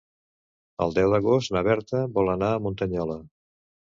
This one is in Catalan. El deu d'agost na Berta vol anar a Muntanyola.